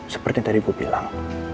seperti tadi gue bilang